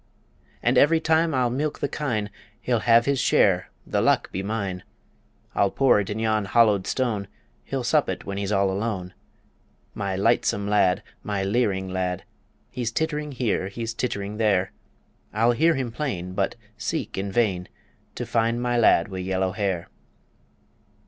And every time I'll milk the kine He'll have his share the luck be mine! I'll pour it in yon hollowed stone, He'll sup it when he's all alone My lightsome lad, my leering lad, He's tittering here; he's tittering there I'll hear him plain, but seek in vain To find my lad wi' yellow hair.